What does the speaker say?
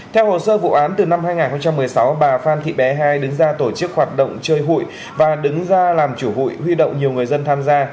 theo hồ sơ vụ án từ năm hai nghìn một mươi sáu bà phan thị bé hai đứng ra tổ chức hoạt động chơi hụi và đứng ra làm chủ hụi huy động nhiều người dân tham gia